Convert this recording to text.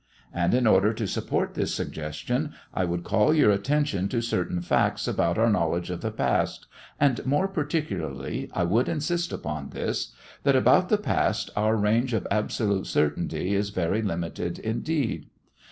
And in order to support this suggestion I would call your attention to certain facts about our knowledge of the past, and more particularly I would insist upon this, that about the past our range of absolute certainty is very limited indeed.